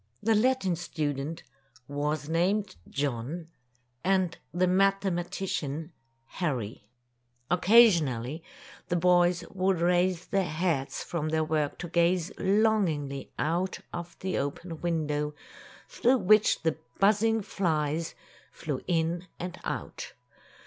The Latin student was named John, and the mathematician, Harry. Occasionally the boys would raise their heads from their work to gaze longingly out of the open window, through which the buzzing flies flew in and out.